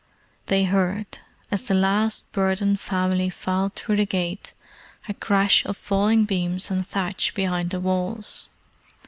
They heard, as the last burdened family filed through the gate, a crash of falling beams and thatch behind the walls.